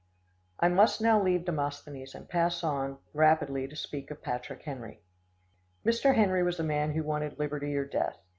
I must now leave Demosthenes and pass on rapidly to speak of Patrick Henry. Mr. Henry was the man who wanted liberty or death.